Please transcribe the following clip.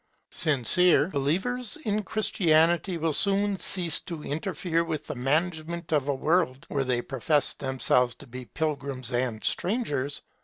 Sincere believers in Christianity will soon cease to interfere with the management of a world, where they profess themselves to be pilgrims and strangers.